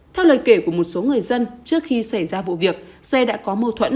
theo lời kể của một số người dân trước khi xảy ra vụ việc xe đã có mâu thuẫn